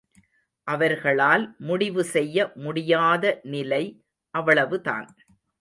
அவர்களால் முடிவு செய்ய முடியாத நிலை அவ்வளவுதான்.